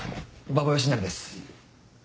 馬場良成です。